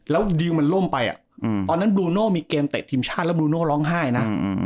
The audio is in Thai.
แล้วดิวมันล่มไปตอนนั้นบลูโน่มีเกมเตะทีมชาติแล้วบลูโน่ร้องไห้นะ